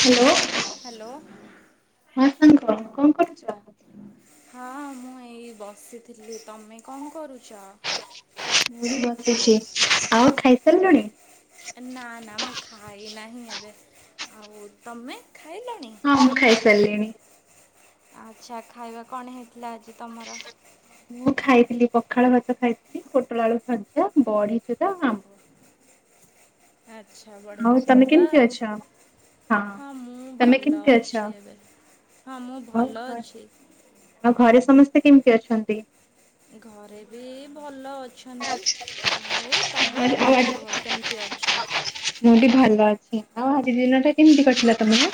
Hello hello. ହଁ ସାଙ୍ଗ କଣ କରୁଛ? ହଁ ମୁଁ ଏଇ ବସିଥିଲି। ତମେ କଣ କରୁଚ? ମୁଁ ବି ବସିଛି। ଆଉ ଖାଇସାରିଲଣି? ନା ନା ମୁଁ ଖାଇନାହିଁ ଏବେ। ଆଉ ତମେ? ଖାଇଲଣି? ହଁ ମୁଁ ଖାଇସାରିଲିଣିି। ଆଚ୍ଛା ଖାଇବା କଣ ହେଇଥି ଲା ଆଜି ତମର? ମୁଁ ଖାଇଥିଲି ପଖାଳ ଭାତ ଖାଇଥିଲି, ପୋଟଳ ଆଳୁ ଭଜା, ବଡି ଚୁରା ଆମ୍ବ। ଆଚ୍ଛା ଆଉ ବଢ଼ିଆ ତମେ ଖାଇବା କେମିତି ଆଉ। ଅଛ? ହଁ ମୁଁ ତମେ ଭଲ କେମିତି ଅଛ? ଅଛି ଏବେ। ହଁ ମୁଁ ଆଉ ଘ ଭଲ ଅଛି। ଆଉ ଘରେ ସମସ୍ତେ କେମିତି ଅଛନ୍ତି? ଘରେ ବି ଭଲ ଅ ଛନ୍ତି। ଆଉ ତମ କଥା କୁହ। କେମିତି ଅଛ? ଛି। ଆଉ ଆଜି ଦିନଟା କେମିତି କଟିଲା ତମର?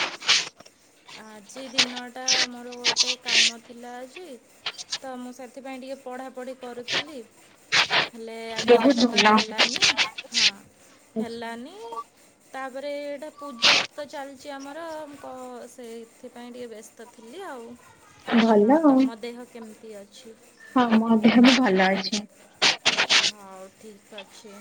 ଆଜି ଦିନଟା ମୋର ଗୋଟେ କାମ ଥିଲା ଆଜି। ତ ମୁଁ ସେଥିପାଇଁ ଟିକେ ପଢ଼ାପଢ଼ି କରୁଥିଲି ହେଲେ ଆଜି ବହୁତ ସେଇଟା ତ ଭଲ। ହେଲାନି। ହଁ ଆଚ୍ଛା ହେଲାନି ତାପରେ ଏଇଟା ପୂଜା ତ ଚାଲିଛି ଆମର [unintelligible] ସେଇଥିପାଇଁ ଟିକେ ବ୍ୟସ୍ତ ଥିଲି ଆଉ। ଭଲ ହଁ ଆଉ ତମ ଦେହ କେମିତି ଅଛି? ହଁ ମୋ ଦେହ ବି ଭଲ ଅଛି। ହଉ ଠିକ ଅଛି।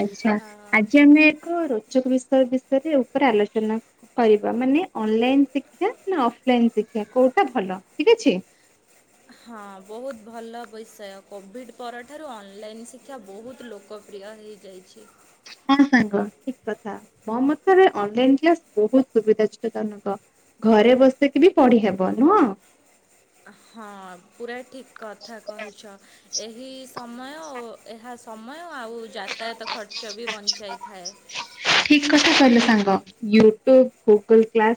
ଆଚ୍ଛା ଆଜି ଆମେ ଏକ ରୋଚକ ବିଷ ବିଷୟରେ ଉପରେ ଆଲୋଚନା କ-କରିବା ମାନେ ଅନଲାଇନ ଶିକ୍ଷା ନା ଅଫଲାଇନ ଶିକ୍ଷା କୋଉଟା ଭଲ ଠିକ ଅଛି। ହଁ ବହୁତ ଭଲ ବିଷୟ କୋଭିଡ଼ ପରଠାରୁ ଅନଲାଇନ୍ ଶିକ୍ଷା ବହୁତ ଲୋକପ୍ରିୟ ହେଇଯାଇଛି। ହଁ ସାଙ୍ଗ ଠିକ କଥା ମୋ ମତରେ ଅନଲାଇନ କ୍ଲାସ ବହୁତ ସୁବିଧାଜନକ ଘରେ ବସିକି ବି ପଢିହେବ ନୁହଁ? ହଁ ପୁରା ଠିକ କଥା କହିଛ ଏହି ସମୟ ଓ ଏହା ସମୟ। ଆଉ ଯାତାୟାତ ଖର୍ଚ୍ଚ ବି ବଞ୍ଚାଇ। ଥାଏ। ଠିକ କଥା କହିଲେ ସାଙ୍ଗ YouTube Google class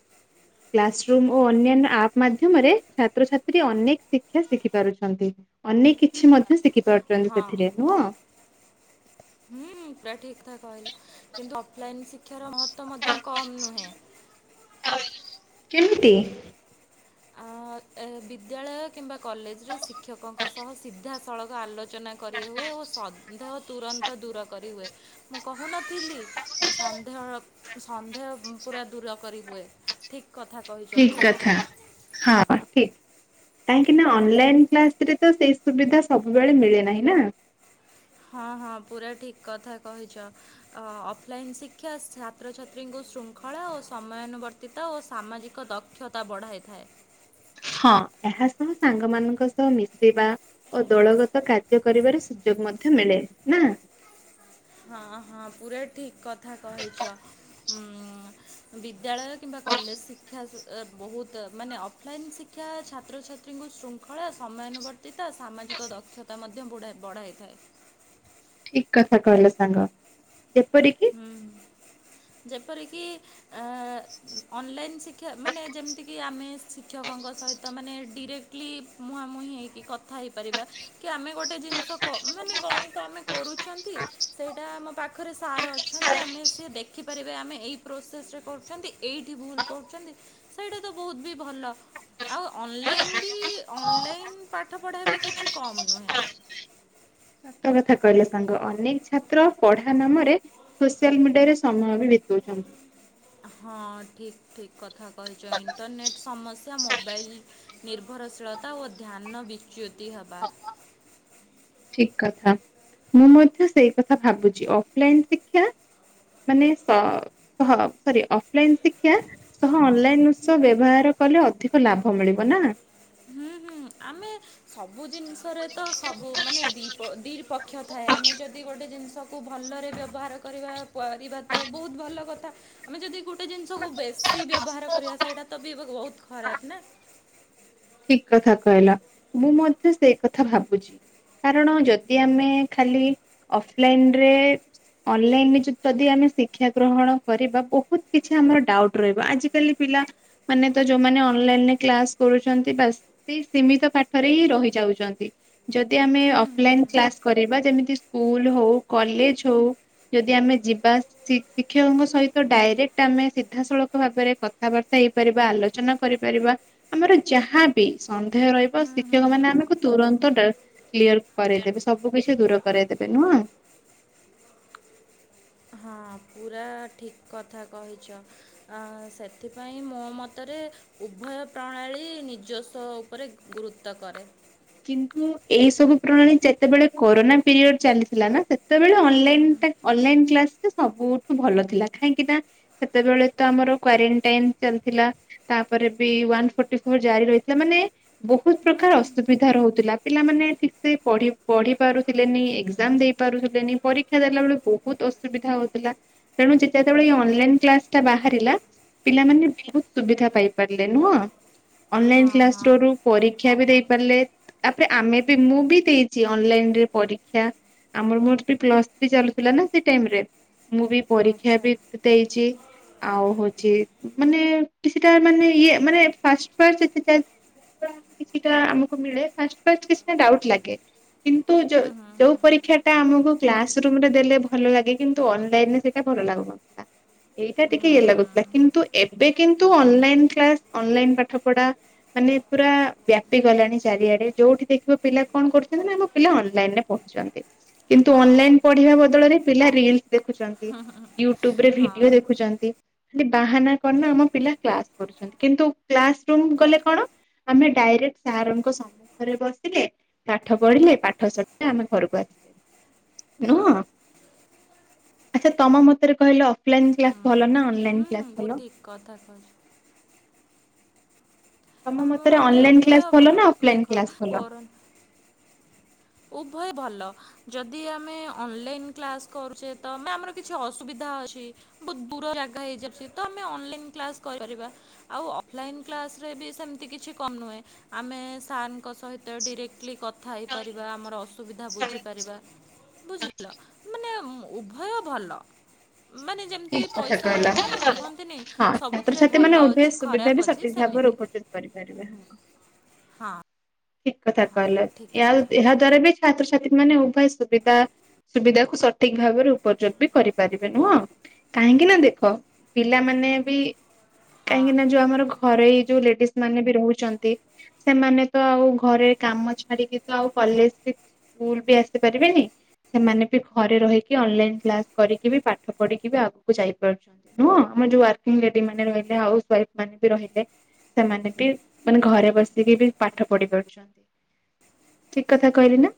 classroom ଓ ଅନ୍ୟାନ୍ୟ ଆପ୍ ମାଧ୍ୟମରେ ଛାତ୍ରଛାତ୍ରୀ ଅନେକ ଶିକ୍ଷା ଶିଖି ପାରୁଛନ୍ତି ଅନେକ କିଛି ମଧ୍ୟ ଶିଖି। ପାରୁଛନ୍ତି ହଁ ସେଥିରେ ନୁହଁ। ଥା କହିଲ କିନ୍ତୁ ଅଫଲାଇନ ଶିକ୍ଷାର ମହତ୍ବ ତ୍ୱ ମଧ୍ୟ କମ୍ ନୁହେଁ। କେମିତି। ଆ ଏ ବିଦ୍ୟାଳୟ କିମ୍ବା କଲେଜରେ ଶିକ୍ଷକଙ୍କ ସହ ସିଧା। ସଳଖ ଆଲୋଚନା କରିହୁଏ ଓ ସନ୍ଦେହ ତୁରନ୍ତ ଦୂର କରିହୁଏ ମୁଁ କହୁନଥିଲି ସନ୍ଦେହ ସନ୍ଦେହ ପୁରା ଦୂର କରିହୁଏ ଠିକ୍। କଥା କହିଛ ଠିକ ପୁରା। କଥା ହଁ ଠିକ କାହିଁକି ନା ଅନଲାଇନ କ୍ଲାସରେ ତ ସେଇ ସୁବିଧା ସବୁବେଳେ ମିଳେ ନାହିଁ ନା। ହଁ ହଁ ପୁରା ଠିକ୍ କଥା କହିଛ ଅ ଅଫଲାଇନ୍ ଶିକ୍ଷା ଛାତ୍ରଛାତ୍ରୀଙ୍କୁ ଶୃଙ୍ଖଳା ଓ ସମୟାନୁବର୍ତ୍ତିତା ଓ ସାମାଜିକ ଦକ୍ଷତା ବଢ଼ାଇଥାଏ। ହଁ ଏହା ସହ ସାଙ୍ଗମାନଙ୍କ ସହ ମିଶିବା ଓ ଦଳଗତ କାର୍ଯ୍ୟ କରିବାର ସୁଯୋଗ ମଧ୍ୟ ମିଳେ ନା। ହଁ ହଁ ପୁରା ଠିକ କଥା କହିଛ ଉମ ବିଦ୍ୟାଳୟ କିମ୍ବା କଲେଜ ଶିକ୍ଷା ଅ ବହୁତ ମାନେ ଅଫଲାଇନ୍ ଶିକ୍ଷା ଛାତ୍ରଛାତ୍ରୀଙ୍କୁ ଶୃଙ୍ଖଳା ସମୟାନୁବର୍ତ୍ତ ତିତା ସାମାଜିକ ଦକ୍ଷତା ମଧ୍ୟ ମଧ୍ୟ ବୁଡ଼ା ବଢ଼ାଇଥାଏ। ଠିକ କଥା କହିଲ ସାଙ୍ଗ। ଯେପରିକି। ହୁଁ। ଯେପରିକି। ଆ ଅନଲାଇନ୍ ଶିକ୍ଷା ମାନେ ଯେମିତିକି ଆମେ ଶିକ୍ଷକଙ୍କ ସହିତ ମାନେ। ଡିରେକ୍ଟଲି ମୁହାଁମୁହିଁ ହେଇକି କଥା ହେଇପାରିବା କି ଆମେ ଗୋଟେ ଜିନିଷ କ ମାନେ ଗଣିତ ଆମେ କରୁଛନ୍ତି ସେଇଟା ଆମ ପାଖରେ ସାର ଅ। ଅଛନ୍ତି ଆମେ ସେ ଦେଖିପାରିବେ ଆମେ ଏଇ ପ୍ରୋସେସ ରେ କରୁଛନ୍ତି ଏଇଠି ଭୁଲ୍ କରୁଛନ୍ତି ସେଇଟା ତ ବହୁତ ବି ଭଲ ଆଉ ଅନଲାଇନ ବି ଅନଲାଇନ ପାଠପଢ଼ା ବି କିଛି କମ୍ ନୁହେଁ। ସତ କଥା କହିଲେ ସାଙ୍ଗ ଅନେକ ଛାତ୍ର ପଢା ନାମରେ ସୋସିଆଲ ମିଡିଆରେ ସମୟ ବି ବିତଉଛନ୍ତି। ହଁ ଠିକ ଠିକ୍ କଥା। କହିଛ ଇଣ୍ଟରନେଟ୍ ସମସ୍ ମୋବାଇଲ୍ ନିର୍ଭରଶୀଳତା ଓ ଧ୍ୟାନ ବିଚ୍ୟୁତି ହେବା। ଠିକ କଥା ମୁଁ ମଧ୍ୟ ସେଇ କଥା ଭାବୁଛି ଅଫଲାଇନ ଶିକ୍ଷା ମାନେ ସ ହ ସରି ଅଫଲାଇନ ଶିକ୍ଷା ସହ ଅନଲାଇନ ଉତ୍ସ ବ୍ୟବହାର କଲେ ଅଧିକ ଲାଭ ମିଳିବ ନା। ହୁଁ ହୁଁ ଆମେ ସବୁ ଜିନିଷରେ ତ ସବୁ ମାନେ। ଦ ଦ୍ୱିଇ ପକ୍ଷ ଥାଏ ଆମେ ଯଦି ଗୋଟେ ଜିନିଷକୁ ଭଲରେ ବ୍ୟବହାର କରିବା କରିବାିବା ତ ବହୁତ ଭଲ କଥା ଆମେ ଯଦି ଗୋଟେ ଜିନିଷକୁ ବେଶ। ସି ବ୍ୟବହାର କରିବା ସେଇଟା ତ ବି ବହୁତ ଖରାପ ନା। ଠିକ କଥା କହିଲା ମୁଁ ମଧ୍ୟ ସେଇ କଥା ଭାବୁଛି କାରଣ ଯଦି ଆମେ ଖାଲି ଅଫଲାଇନରେ ଅନଲାଇନ ଯଦି ଆମେ ଶିକ୍ଷା ଗ୍ରହଣ କରିବା ବହୁତ କିଛି ଆମର ଡାଉଟ ରହିବ ଆଜିିକାଲି ପିଲା ମାନେ ତ ଯୋଉମାନେ ଅନଲାଇନରେ କ୍ଲାସ କରୁ। ବାସ ସେଇ ସିମୀତ ପାଠରେ ହି ରହି ଯାଉଛନ୍ତି ଯଦି ଆମେ ହୁଁ ହୁଁ ଅଫଲାଇନ କ୍ଲାସ କରିବା ଯେମିତି ସ୍କୁଲ ହଉ କଲେଜ ହଉ ଯଦି ଆମେ ଯିବା ଶିକ୍ଷକଙ୍କ ସହିତ ଡାଇରେକ୍ଟ ଆମେ ସିଧାସଳଖ ଭାବରେ କଥାବାର୍ତ୍ତା ହେଇପାରିବା ଆଲୋଚନା କରିପାରିବା ଆମର। ଯାହାବି ସନ୍ଦେହ ରହିବ ହୁଁ ଶିକ୍ଷକ ହୁଁ ମାନେ ହୁଁ ଆମକୁ ତୁରନ୍ତ କ୍ଲିୟର କରାଇଦେବେ ସବୁ କିଛି ଦୂର କରାଇଦେବେ ନୁହଁ। ହଁ ପୁରା ଠିକ କଥା କହିଛ ସେଥିପାଇଁ ମୋ ମତରେ ଉଭୟ ପ୍ରଣାଳୀ ନିଜସ୍ୱ ଉପରେ ଗୁରୁତ୍ୱ କରେ। କିନ୍ତୁ ଏଇ ସବୁ ପ୍ରଣାଳୀ ଯେତେବେଳେ କୋରୋନା ପିରିୟଡ ଚାଲିଥିଲା ନା ସେତେବେଳେ ଅନଲ ହୁଁ ଅନଲାଇନ କ୍ଲାସ ସବୁଠୁ ଭଲ ଥିଲା କାହିଁକି ନା ସେତେବେଳେ ତ ଆମର କ୍ଵାରେଣ୍ଟାଇନ ଚାଲିଥିଲା ତାପରେ ବି ୱାନ ଫୋର୍ଟି ଫୋର ଜାରି ରହିଥିଲା ମାନେ ବହୁତ ହୁଁ ପ୍ରକାର ଆ ହୁଁ। ସୁବିଧା ରହୁଥିଲା ପିଲାମାନେ ଠିକ ସେ ପ ପଢି ପାରୁଥିଲେନି ଏକ୍ଜାମ ଦେଇ ପାରୁଥିଲେନି ପରୀକ୍ଷା ଦେଲା ବେଳେ ବହୁତ ଅସୁବିଧା ହଉଥିଲା ତେଣୁ ଯେତତେବେଳେ ଏଇ ଅନଲାଇନ କ୍ଲାସ ଟା ବାହାରିଲା ପିଲାମାନେ ବହୁତ ସୁବିଧା ପାଇପାରିଲେ ନୁହଁ ଅନଲାଇନ ହଁ କ୍ଲାସ ହଁ। ର ରୁ ପରୀକ୍ଷା ବି ଦେଇ। ତାପ ଆମେ ବି ମୁଁ ବି ଦେଇଛି ଅନଲାଇନରେ ପରୀକ୍ଷା ଆମର ମୋର ପ୍ଲସ ଥ୍ରୀ ଚାଲଥିଲା ନା ସେ ଟାଇରେ ମୁଁ ବି। ପରୀକ୍ଷା ଆଚ୍ଛା ବି ଦେଇଛି। ଆଉ ହଉଛି ମାନେ କିଛିଟା ମାନେ ଇଏ ମାନେ ଫାଷ୍ଟ୍ ଫାଷ୍ଟ୍ କିଛିଟା କିଛିଟା ଆମ୍ ଫାଷ୍ଟ୍ ଫାଷ୍ଟ୍ କିଛିଟା ଡାଉଟ୍ ଲାଗେ କିନ୍ତୁ ଯୋଉ ହୁଁ ହୁଁ ହୁଁ। ଯୋଉ ପରୀକ୍ଷା ଟା ଆମକୁ କ୍ଲାସ ରୁମ୍ ରେ ଦେଲେ ଭଲ ଲାଗେ କିନ୍ତୁ ଅନଲାଇନ ସେଟା ଭଲ ଲାଗୁନଥିଲା ଏଇଟା ଟିକେ ହୁଁ ଇଏ ଲାଗୁଥିଲା କିନ୍ତୁ ଏବେ କିନ୍ତୁ ଅନଲାଇନ କ୍ଲାସ ଅନଲାଇନ୍ ପାଠ ପଢା ମାନେ ପୁରା ବ୍ୟାପି ଗଲାଣି। ଚାରିଆଡେ ଯୋଉଠି ଦେଖିବ ପିଲା କଣ କରୁଛନ୍ତି? ନା ଆମ ପିଲା ଅନଲାଇନ ରେ ପଢୁଛନ୍ତି। କିନ୍ତୁ ହଁ ଅନଲାଇନ ପଢିବା ବଦଳରେ ପିଲା ରିଲ୍ ଦେଖୁଛନ୍ତି ୟୁଟ୍ୟୁବ ରେ ହଁ ଭିଡିଓ ଦେଖୁଛନ୍ତି। ଖାଲି ବାହାନା କରନ ଆମ ପିଲା କ୍ଲାସ କରୁଛନ୍ତି। କିନ୍ତୁ କ୍ଲାସ ରୁମ ଗଲେ କଣ ଆମେ ଡାଇରେକ୍ଟ ସାର ସମ୍ମୁଖରେ ବସିଲେ ପାଠ ପଢିଲେ ପାଠ ସରିଲା ଆମେ ଘରକୁ ଆସ ନୁହ ଆଚ୍ଛା। ତମ ମତରେ କହିଲେ ଅଫଲାଇନ କ୍ଲାସ ହୁଁ। ଭଲ ନା ଅନଲାଇନ୍ ହୁଁ କ୍ଲାସ? ହୁଁ ଭଲ? ଠିକ୍ କଥା କହିଛ। ତମ ମୁଁ ମତରେ ମତେ ଅନଲାଇନ୍ ଉଭୟ କ୍ଲାସ୍ ଭଲ ନା ଅଫଲାଇନ୍ ଦେଖ କ୍ଲାସ୍ ଭଲ? କର ଉଭୟ ଭଲ ଯଦି ଆମେ ଅନଲାଇନ କ୍ଲାସ କରୁଛେ ତ ଆମେ ଆମର କିଛି ଅସୁବିଧା ଅଛି ବହୁ ଦୂର ବାଟ ହେଇଯାଉଛି ତ ଆମେ ଅନଲାଇନ କ୍ଲାସ କରିପାରିବା ଆଉ ଅଫଲାଇନ୍ କ୍ଲାସ ରେ ବି ସେ କିଛି କମ ନୁହେ ଆମେ ସାର ଙ୍କ ସହିତ ଡିରେକ୍ଟଲି କଥା ହେଇପାରିବା ଆମର ଅସବିଧା ବୁଝିପାରିବା ବୁଝିଲ ମାନେ ଉଭୟ ଭଲ। ମାନେ ଯେମିତି ଠିକ୍ କଥା ପଇସା କହିଲ। ମାନେ କୁହନ୍ତିନି ହଁ ସବୁଥିରେ ଛାତ୍ରଛାତ୍ରୀ ମାନେ ଭଲ ଅଛି ଖରାପ ଅଛି ସେମିତି କରିବ ହଁ ହଁ ଠିକ୍ କଥା। ଠିକ୍ କଥା ଏହା ଦ୍ଵାରା ବି ଛାତ୍ର ଛାତ୍ରୀ ମାନେ ଉଭୟ ସୁବିଧା ସୁବିଧା କୁ ସଠିକ ଭାବରେ ଉପଯୋଗ ବି କରିପାରିବେ ନୁହଁ କାହିଁକି ନା ଦେଖ ପିଲାମାନେ ବି କାହିଁକି ହଁ ନା ଯୋଉ ଆମର ଘରେଇ ଯୋଉ ଲେଡିସ୍ ମାନେ ବି ରହୁଛନ୍ତି ସେମାନେ ତ ଆଉ ଘରେ କାମ ଛାଡିକି ତ ଆଉ କଲେଜ ସ୍କୁଲ ବି ଆସିପାରିବେନି ସେମାନେ ବି ଘରେ ରହିକି ଅନଲାଇନ କ୍ଲାସ କରିକି ବି ପାଠ ପଢିକି ବି ଆଗକୁ ଯାଇପାରୁଛନ୍ତି ନୁହଁ ଆମର ଯୋଉ ୱାରର୍କିଂ ଲେଡି ମାନେ ରହିଲେ ହାଉସ ୱାଇଫ ମାନେ ବି ରହିଲେ ସେମାନେ ବି ମାନେ ଘରେ ବସିକି ବି ପାଠ ପଢି ପାରୁଛନ୍ତି ଠିକ କଥା କହିଲି ନା?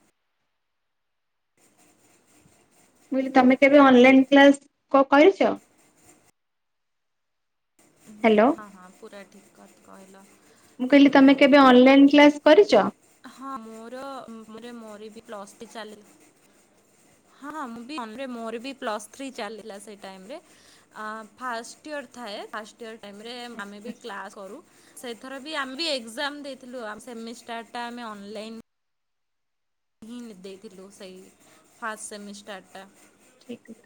ମୁ କହିଲି ତମେ କେବେ ଅନଲାଇନ କ୍ଲାସ କରିଛ? ହ୍ୟାଲୋ ହଁ ହଁ ପୁରା ଠିକ୍। କଟ କଲ ମୁଁ କହିଲି ତମେ କେବେ ଅନଲାଇନ କ୍ଲାସ କରିଛ? ହଁ ମୋର ମୋର ବି ପ୍ଲସ ଥ୍ରୀ ଚାଲି ହଁ ମୋର ବି ପ୍ଲସ ଥ୍ରି ଚାଲିଲା ସେଟାଇମରେ ଆଚ୍ଛା ଆମେ ବି ଆଚ୍ଛା। କ୍ଲାସ କରୁ। ସେଇଥର ବି ଆମେ ବି ଏକ୍ଜାମ ଦେଇଥିଲୁ ଆମ ସେମିଷ୍ଟାର୍ ଟା ଆମେ ଅନଲାଇନ୍ [unintelligible] ଦେଇଥିଲୁ ସେଇ ଫାଷ୍ଟ୍ ସେମିଷ୍ଟର୍ ଟା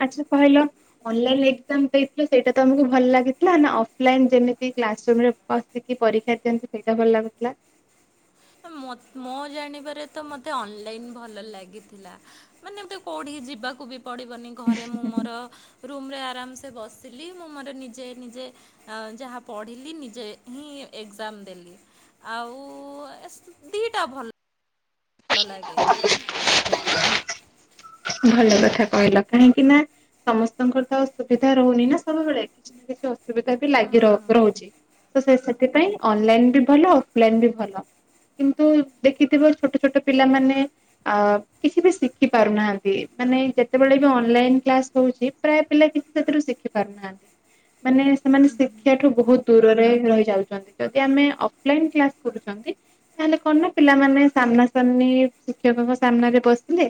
ଆଚ୍ଛା କହିଲ ଅନଲାଇନ୍ ଏକ୍ଜାମ୍ ଦେଇଥିଲ ସେଟା ତମକୁ ଭଲ ଲାଗଥିଲା ନାଁ ଅଫ୍ ଲାଇନ୍ ସେମିତି କ୍ଲାସରୁମରେ ବସିକି ପରୀକ୍ଷା ଦିଅନ୍ତି ସେଇଟା ଭଲ ଲାଗୁଥିଲା? ମୋ ଜାଣିବାରେ ତ ମତେ ଅନଲାଇନ୍ ଭଲ ଲାଗିଥିଲା ମାନେ କୋଉଠିକି ଯିବାକୁ ବି ପଡ଼ିବନି ଘରେ ମୁଁ ମୋର ରୁମରେ ଆରାମସେ ସେ ବସିଲି ମୁଁ ମୋର ନିଜେ ନିଜେ ଯାହା ପଢ଼ିଲି ନିଜେ ହିଁ ଏକ୍ଜାମ ଦେଲି ଆଉ ଦିଟା ଭଲ ଭଲ ଲାଗେ ଭଲ କଥା କହିଲ କାହିଁକି ନା ସମସ୍ତଙ୍କର ତ ସୁବିଧା ରହୁନି ନା ସବୁବେଳେ କିଛି ନା କିଛି ଅସୁ ବିଧା ବି ହୁଁ ଲାଗି ହୁଁ ର ହୁଁ ରହୁଛି ତ ସେ ସେଥିପାଇ ଅନଲାଇନ୍ ବି ଭଲ ଅଫଲାଇନ୍ ବି ଭଲ କିନ୍ତୁ ଦେଖିଥିବେ ଛୋଟ ଛୋଟ ପିଲାମାନେ ଅ କିଛି ବି ଶିଖି ପାରୁନାହାନ୍ତି ମାନେ ଯେତେବେଳେ ବି ଅନଲାଇନ୍ କ୍ଲାସ୍ ହଉଛି ପ୍ରାୟ ପିଲା କିଛି ସେଥିରୁ ଶିଖି ପାରୁନାହାନ୍ତି। ମାନେ ସେମାନେ ଶିକ୍ଷା ଠୁ ବହୁତ ଦୂରରେ ରହି ଯାଉଛନ୍ତି। ଯଦି ଆମେ ଅଫଲାଇନ୍ କ୍ଲାସ୍ କରୁଛନ୍ତି ତାହେଲେ କଣ ନା ପିଲାମାନେ ସାମ୍ନାସାମ୍ନି ଶିକ୍ଷକଙ୍କ ସାମ୍ନା ରେ ବସିଲେ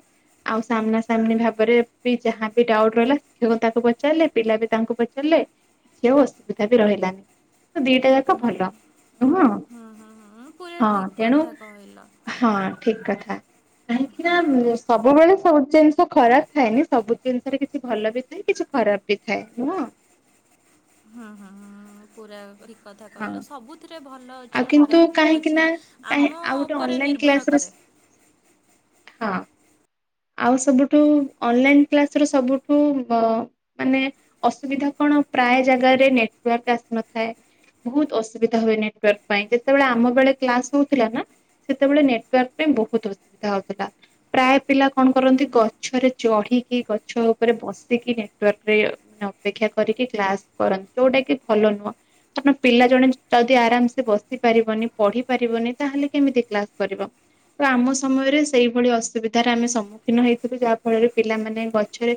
ଆଉ ସାମ୍ନା ସାମ୍ନି ଭାବରେ ବି ଯାହା ବି ଡାଉଟ୍ ରହିଲା ଶିକ୍ଷକ ତାଙ୍କୁ ପଚାରିଲେ ପିଲା ବି ତାଙ୍କୁ ପଚାରିଲେ କିଛି ଆଉ ଅସୁବିଧା ବି ରହିଲାନି। ଦିଟା ଯାକ ଭଲ। ନୁହଁ? ହୁଁ ହୁଁ ହୁଁ ପୁରା ହଁ ଠିକ୍ ତେଣୁ କଥା କହିଲ। ହଁ ଠିକ୍ କଥା। କାହିଁକି ନା ସବୁବେଳେ ସବୁ ଜିନିଷ ଖରାପ ଥାଏନି ସବୁ ଜିନିଷରେ କିଛି ଭଲ ବି ଥାଏ କିଛି ଖରାପ ବି ଥାଏ ନୁହଁ? ପୁରାପୁରି ଠିକ୍ କଥା ହଁ। କହିଲ ସବୁଥିରେ ଭଲ ଆଉ ଅଛି କିନ୍ତୁ ଖରାପ କାହିଁକି ଅଛି। ନା କାହିଁ ଆମ ଆଉ ଗୋଟେ ଉପରେ ଅନଲାଇନ ନିର୍ଭର କ୍ଲାସରେ କରେ। ହଁ। ଆଉ ସବୁଠୁ ଅନଲାଇନ କ୍ଲାସ ର ସବୁଠୁ ମାନେ ଅସୁବିଧା କଣ ପ୍ରାୟ ଜାଗାରେ ନେଟ୍ୱୱର୍କ ଆସିନଥାଏ ବହୁତ ଅସୁବିଧା ହୁଏ ନେଟ୍ୱୱର୍କ ପାଇଁ ଯେତେବେଳେ ଆମ ବେଳେ କ୍ଲାସ ହଉଥିଲା ନା ସେତେବେଳେ ନେଟ୍ୱୱର୍କ ପାଇଁ ବହୁତ ଅସୁବିଧା ହଉଥିଲା ପ୍ରାୟ ପିଲା କଣ କରନ୍ତି ଗଛରେ ଚଢ଼ିକି ଗଛ ଉପରେ ବସିକି ନେଟୱାର୍କ ରେ ମାନେ ଅପେକ୍ଷା କରିକି କ୍ଲାସ କରନ୍ତି ଯୋଉଟା କି ଭଲ ନୁହଁ କାରଣ ପିଲା ଜଣେ ଯଦି ଆରାମ ସେ ବସି ପାରିବନି ପଢି଼ପାରିବନି ତାହେଲେ କେମିତି କ୍ଲାସ କରିବ ତ ଆମ ସମୟରେ ସେଇଭଳି ଅସୁବିଧାରେ ଆମେ ସମ୍ମୁ ସମ୍ମୁଖୀନ ହେଇଥିଲୁ ଯାହା ଫଳରେ ପିଲାମାନେ ଗଛରେ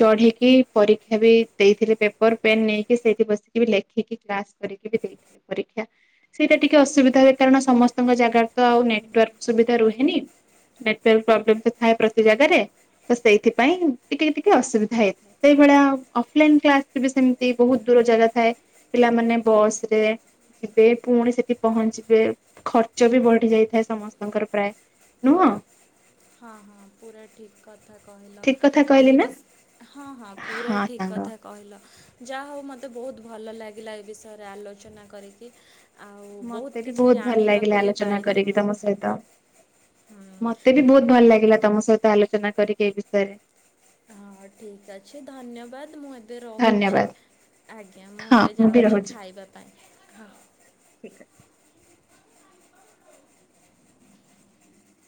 ଚଢି଼କି ପରୀକ୍ଷା ବି ଦେଇଥିଲେ ପେପର ପେନ୍ ନେଇକି ସେଇଠି ବସିକି ଲେଖିକି କ୍ଲାସ୍ କରିକି ଦେଇଥିଲେ ପରୀକ୍ଷା ସେଇଟା ଟିକେ ଅସୁବିଧା ହୁଏ କାରଣ ସମସ୍ତଙ୍କ ଜାଗାରେ ତ ଆଉ ନେଟୱାର୍କ ସୁବିଧା ରୁହେନି ନେଟ୍ୱୱର୍କ ପ୍ରୋବ୍ଲେମ୍ ତ ଥାଏ ପ୍ରତି ଜାଗାରେ ତ ସେଇଥିପାଇଁ ଟିକେ ଟିକେ ଅସୁବିଧା ହେଇଥାଏ ସେଇଭଳିଆ ଅଫଲାଇନ କ୍ଲାସ ବି ସେମିତି ବହୁତ ଦୂର ଜାଗା ଥାଏ ପିଲାମାନେ ବସ୍ ରେ ଯିବେ ପୁଣି ସେଠି ପହଞ୍ଚିବେ ଖର୍ଚ୍ଚ ବି ବଢି଼ ଯାଇଥାଏ ସମସ୍ତଙ୍କର ପ୍ରାୟ ନୁହଁ ହଁ ହଁ ପୁରା ଠିକ କଥା କହିଲ ଠିକ କଥା କହିଲି ଏଇ ନା ବି ହଁ ହଁ ପୁରା ଠିକ୍ କଥା କହିଲ। ଯାହା ହେଉ ମୋତେ ବହୁତ ଭଲ ଲାଗିଲା ଏ ବିଷୟରେ ଆଲୋଚନା କରିକି ଆଉ ମତେ ବି କିଛି ବହୁତ ଭଲ ଲାଗିଲା ଜାଣିବାକୁ ବି ଆଲୋଚନା ପାଇଲି କରିକି ମୁଁ ତମ ସହିତ ହୁଁ ମତେ ବି ବହୁତ ଭଲ ଲାଗ ଲା ତମ ସହିତ ଆଲୋଚନା କରିକି ଏଇ ବିଷୟରେ। ହଁ ଠିକ୍ ଅଛି ଧନ୍ୟବାଦ ମୁଁ ରହୁଛି ଧନ୍ୟବାଦ। ଆଜ୍ଞା ମୁଁ ହଁ ଏବେ ବି ଯାଉଛି ରହୁଛି। ଖାଇବା ପାଇଁ।